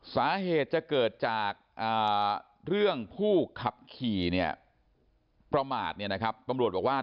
สาเหตุจะเกิดจากเรื่องผู้ขับขี่เนี่ยประมาทเนี่ยนะครับ